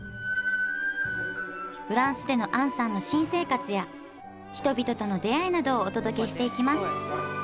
フランスでの杏さんの新生活や人々との出会いなどをお届けしていきます